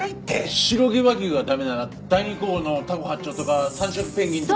白毛和牛が駄目なら第２候補のたこ八丁とか三色ペンギンでも。